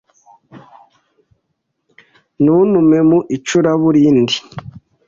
Ntuntume mu icuraburindi.